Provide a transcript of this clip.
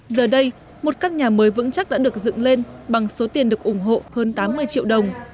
giờ đây một căn nhà mới vững chắc đã được dựng lên bằng số tiền được ủng hộ hơn tám mươi triệu đồng